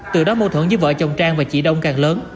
từ đó mâu thuẫn với vợ chồng trang và chị đông càng lớn